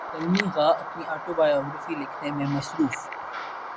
سلمی غا اپنی اٹوبایوگرافی لکھنے میں مصروف